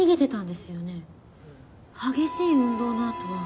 激しい運動のあとは。